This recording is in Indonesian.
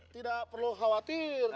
tidak perlu khawatir